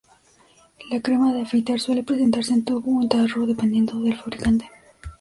La crema de afeitar suele presentarse en tubo o en tarro dependiendo del fabricante.